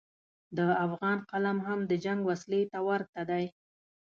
د افغان قلم هم د جنګ وسلې ته ورته دی.